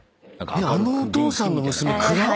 あのお父さんの娘暗っ！